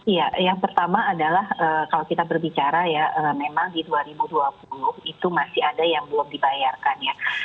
ya yang pertama adalah kalau kita berbicara ya memang di dua ribu dua puluh itu masih ada yang belum dibayarkan ya